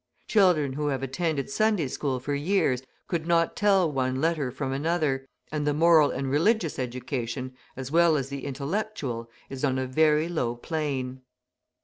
Children who have attended Sunday school for years could not tell one letter from another, and the moral and religious education, as well as the intellectual, is on a very low plane.